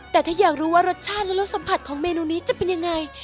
แต่ถ้าอยากรู้ว่ารสชาติและรสสัมผัสของเมนูนี้จะเป็นยังไง